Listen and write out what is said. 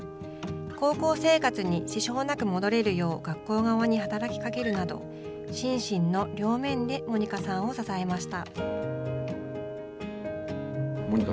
高校生活に支障なく戻れるよう学校側に働きかけるなど心身の両面でモニカさんを支えました。